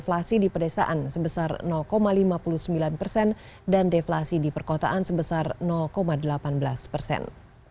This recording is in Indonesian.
inflasi di pedesaan sebesar lima puluh sembilan persen dan deflasi di perkotaan sebesar delapan belas persen